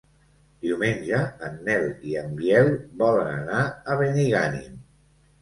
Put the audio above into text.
Diumenge en Nel i en Biel volen anar a Benigànim.